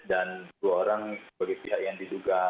dan dua orang sebagai pihak yang diduga menteri